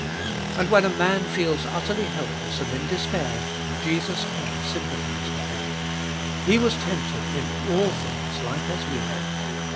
And when a man feels utterly helpless and in despair, Jesus can sympathise with him ; He was tempted in all things like as we are.